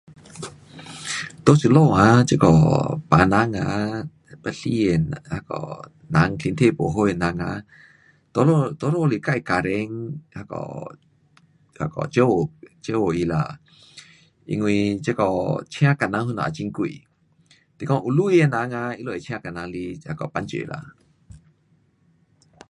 在这里啊，这个病人啊，要死的那个人，身体不好的人呐，多数，多数是自家庭那个，那个照顾，照顾他啦，因为这个请工人什么也很贵，是讲有钱的人呐，他们会请工人来帮助啦。